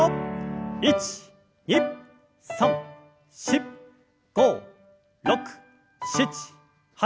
１２３４５６７８。